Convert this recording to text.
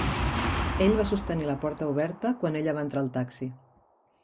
Ell va sostenir la porta oberta quan ella va entrar al taxi.